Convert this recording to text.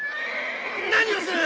何をする！